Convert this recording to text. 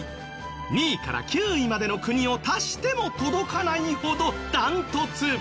２位から９位までの国を足しても届かないほどダントツ。